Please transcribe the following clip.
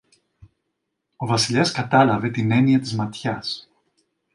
Ο Βασιλιάς κατάλαβε την έννοια της ματιάς